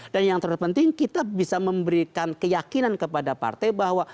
dan yang terpenting kita bisa memberikan keyakinan kepada partai bahwa